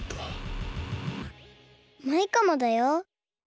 マイカもだよ。